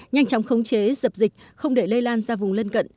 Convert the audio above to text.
nhanh chóng khống chế dập dịch không để lây lan ra vùng lân cận